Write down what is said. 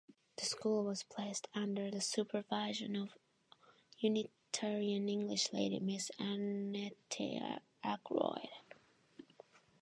The school was placed under the supervision of Unitarian English lady Miss Annette Akroyd.